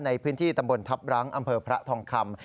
ในพื้นที่ตำบลทัพรั้งอำเภอพระทองคำ